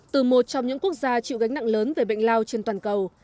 từ một trong những quốc gia chịu gánh nặng lớn về bệnh lao trên toàn cầu